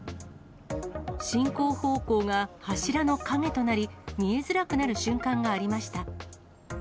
進行方向が柱の陰となり、見えづらくなる瞬間がありました。